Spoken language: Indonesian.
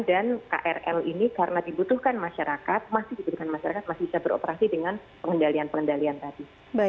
dan krl ini karena dibutuhkan masyarakat masih dibutuhkan masyarakat masih bisa beroperasi dengan pengendalian pengendalian tadi